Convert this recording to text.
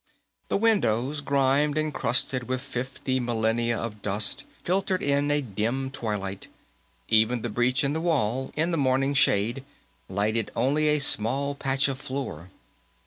The windows, grimed and crusted with fifty millennia of dust, filtered in a dim twilight; even the breach in the wall, in the morning shade, lighted only a small patch of floor.